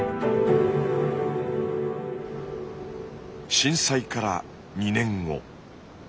震災から２年後。